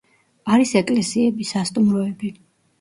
არის ეკლესიები; სასტუმროები.